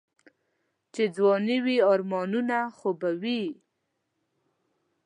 چې ځواني وي آرمانونه خو به وي.